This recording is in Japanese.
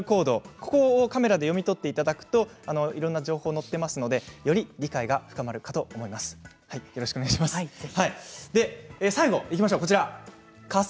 ここをカメラで読み取っていただくといろいろな情報が載っていますのでより理解が深まるかと思います。